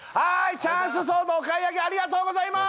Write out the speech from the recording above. チャンスソードお買い上げありがとうございます